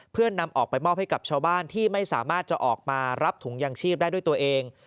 เพื่อนำออกไปมอบให้กับชาวบ้านที่ไม่สามารถจะออกมารับถุงยางชีพได้ด้วยตัวเอง